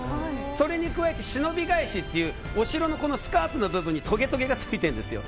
それに加えて、忍び返しというお城のスカートの部分にとげとげがついてるんですよ。